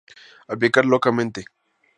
Aplicar localmente.